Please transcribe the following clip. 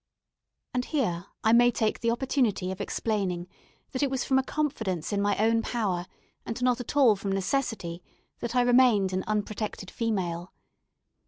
And here I may take the opportunity of explaining that it was from a confidence in my own powers, and not at all from necessity, that I remained an unprotected female.